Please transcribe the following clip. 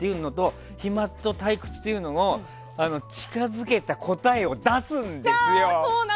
暇と退屈というのを近づけた答えを出すんですよ！